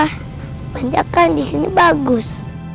sebenernya kan disini bagus